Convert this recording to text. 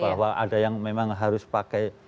bahwa ada yang memang harus pakai